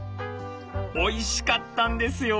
おいしかったんですよ。